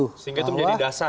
sehingga itu menjadi dasar